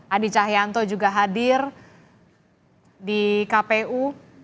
adi cahyanto juga hadir di kpu